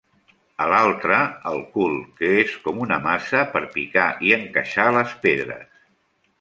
A l'altre, el cul, que és com una maça, per picar i encaixar les pedres.